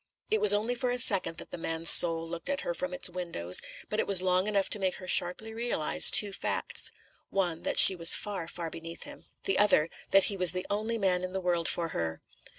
It was only for a second that the man's soul looked at her from its windows, but it was long enough to make her sharply realise two facts. One, that she was far, far beneath him; the other, that he was the only man in the world for her.